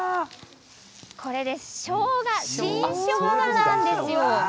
しょうが、新しょうがなんですよ。